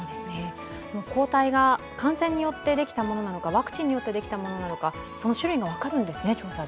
抗体が感染によってできたものなのか、ワクチンによってできたものなのかその種類が分かるんですね調査で。